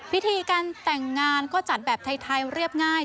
พิธีการแต่งงานก็จัดแบบไทยเรียบง่าย